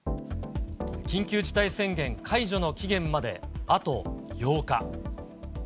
緊急事態宣言解除の期限まであと８日。